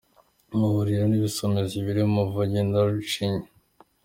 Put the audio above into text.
Ahahurira n’Ibisumizi bibiri: Muvunyi na Rucinya.